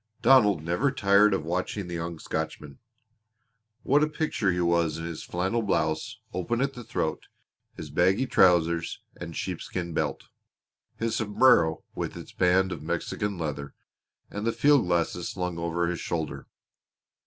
Donald never tired of watching the young Scotchman. What a picture he was in his flannel blouse, open at the throat; his baggy trousers and sheepskin belt; his sombrero with its band of Mexican leather; and the field glasses slung over his shoulder!